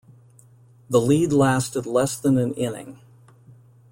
The lead lasted less than an inning.